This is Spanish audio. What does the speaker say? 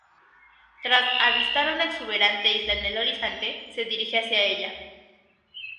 Tras avistar una exuberante isla en el horizonte, se dirige hacia ella.